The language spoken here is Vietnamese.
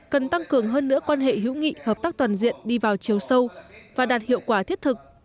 cần tăng cường hơn nữa quan hệ hữu nghị hợp tác toàn diện đi vào chiều sâu và đạt hiệu quả thiết thực